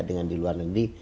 dengan di luar negeri